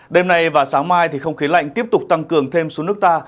đêm nay và sáng mai không khí lạnh tiếp tục tăng cường thêm xuống nước ta